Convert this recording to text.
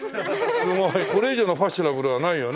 すごいこれ以上のファッショナブルはないよね。